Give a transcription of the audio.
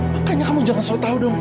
makanya kamu jangan tahu